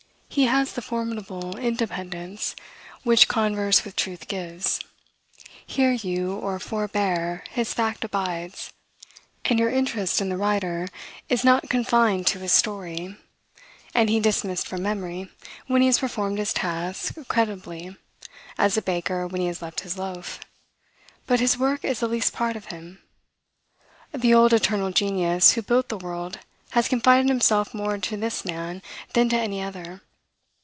He has the formidable independence which converse with truth gives: hear you, or forbear, his fact abides; and your interest in the writer is not confined to his story, and he dismissed from memory, when he has performed his task creditably, as a baker when he has left his loaf; but his work is the least part of him. The old Eternal Genius who built the world has confided himself more to this man than to any other.